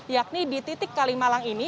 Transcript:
yakni di titik kalimalang ini